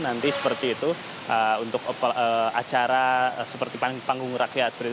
nanti seperti itu untuk acara seperti panggung rakyat